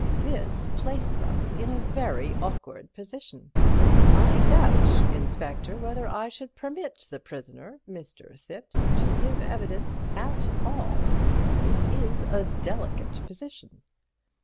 This places us in a very awkward position. I doubt, Inspector, whether I should permit the prisoner—Mr. Thipps—to give evidence at all. It is a delicate position."